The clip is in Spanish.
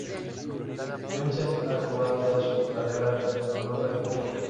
Johnsen ha jugado toda su carrera en Noruega y Japón.